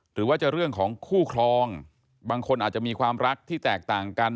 หรือว่าจะเรื่องของคู่ครองบางคนอาจจะมีความรักที่แตกต่างกัน